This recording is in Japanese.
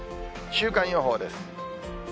週間予報です。